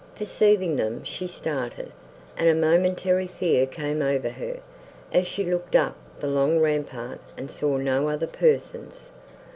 Perceiving them, she started, and a momentary fear came over her, as she looked up the long rampart, and saw no other persons.